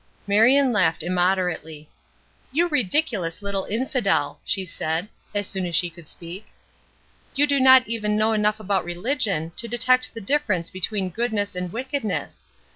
Marion laughed immoderately. "You ridiculous little infidel!" she said, as soon as she could speak. "You do not even know enough about religion to detect the difference between goodness and wickedness.